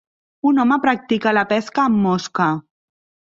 Un home practica la pesca amb mosca.